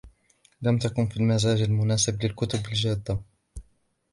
لم تكن في المزاج المناسب للكتب الجادة.